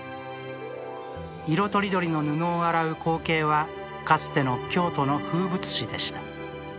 色とりどりの布を洗う光景はかつての京都の風物詩でした。